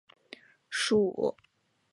属名是以化石发现地的埃布拉赫市为名。